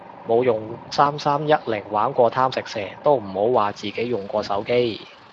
冇用三三一零玩過貪食蛇都唔好話自己用過手機